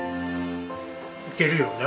いけるよね